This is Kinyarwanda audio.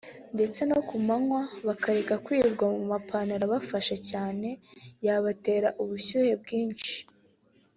ndetse no ku manywa bakareka kwirirwa mu mapantalo abafashe cyane yabatera ubushyuhe bwinshi